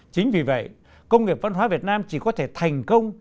chính vì vậy công nghiệp văn hóa việt nam chỉ có thể thành công